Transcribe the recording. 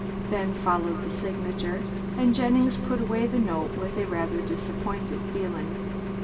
Then followed the signature, and Jennings put away the note with a rather disappointed feeling.